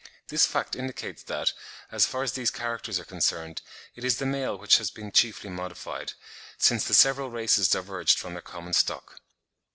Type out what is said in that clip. This fact indicates that, as far as these characters are concerned, it is the male which has been chiefly modified, since the several races diverged from their common stock.